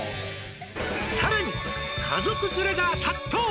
「さらに家族連れが殺到！」